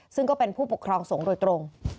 ซึ่งก็เป็นผู้ปกครองสงฆ์โดยตรง